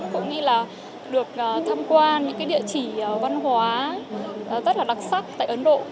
cũng như là được tham quan những địa chỉ văn hóa rất là đặc sắc tại ấn độ